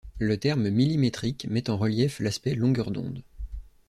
Le terme millimétrique met en relief l'aspect longueur d'onde.